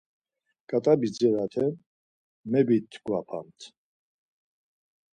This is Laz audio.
Ǩat̆a bidziraten mebitkvapamt.